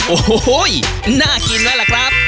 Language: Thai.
โอ้โห้ยน่ากินไว้ล่ะครับ